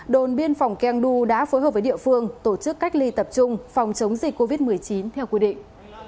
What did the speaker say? đồn biên phòng keng du đã phối hợp với địa phương tổ chức cách ly tập trung phòng chống dịch covid một mươi chín theo quy định